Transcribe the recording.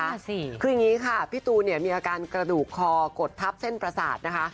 นั่นสิคืออย่างนี้ค่ะพี่ตูนเนี่ยมีอาการกระดูกคอกดทับเส้นประสาทนะคะ